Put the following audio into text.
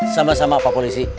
sama sama pak polisi